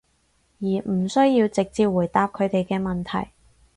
而唔需要直接回答佢哋嘅問題